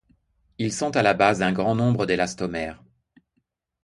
Ils sont à la base d'un grand nombre d'élastomères.